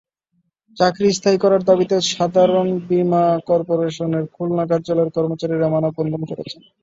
চাকরি স্থায়ী করার দাবিতে সাধারণ বিমা করপোরেশন খুলনা কার্যালয়ের কর্মচারীরা মানববন্ধন করেছেন।